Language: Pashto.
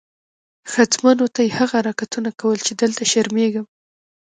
ښځمنو ته یې هغه حرکتونه کول چې دلته شرمېږم.